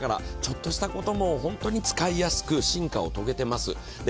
ちょっとしたことも本当に使いやすく進化を遂げています。